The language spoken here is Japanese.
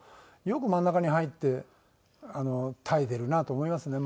よく真ん中に入って耐えてるなと思いますね